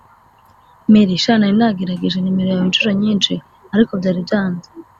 mary: sha nari nagerageje nimero yawe inshuro nyinshi ariko byari byanze